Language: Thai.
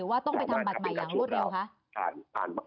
ว่าต้องไปทำบัตรใหม่อย่างรวดเร็วคะ